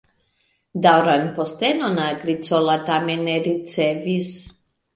Daŭran postenon Agricola tamen ne ricevis.